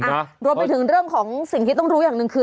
รวมไปถึงเรื่องของสิ่งที่ต้องรู้อย่างหนึ่งคือ